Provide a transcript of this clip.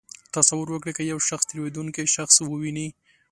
تصور وکړئ که یو شخص تېرېدونکی شخص وویني.